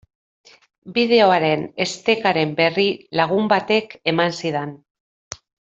Bideoaren estekaren berri lagun batek eman zidan.